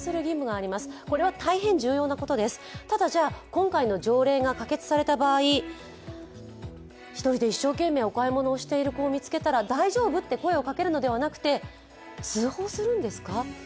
今回の条例が可決された場合、１人で一生懸命お買い物をしている子を見つけたら大丈夫？と声をかけるのではなくて通報するんですか？